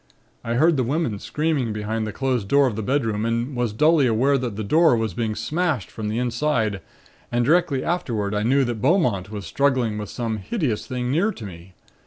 I heard the women screaming behind the closed door of the bedroom and was dully aware that the door was being smashed from the inside, and directly afterward I knew that Beaumont was struggling with some hideous thing near to me.